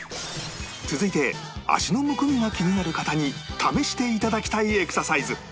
続いて足のむくみが気になる方に試していただきたいエクササイズ